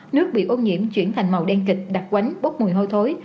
nước bị ô nhiễm chuyển thành màu đen kịch đặc quánh bốc mùi hôi thối